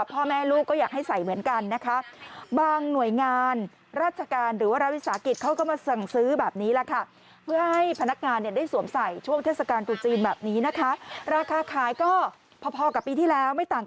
พ่อแม่ลูกก็อยากให้ใส่เหมือนกันนะคะ